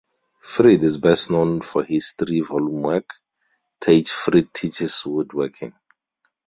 Frid is best known for his three-volume work, "Tage Frid Teaches Woodworking".